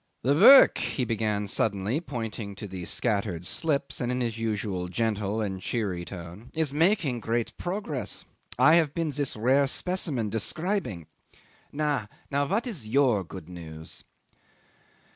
'"The work," he began suddenly, pointing to the scattered slips, and in his usual gentle and cheery tone, "is making great progress. I have been this rare specimen describing. ... Na! And what is your good news?"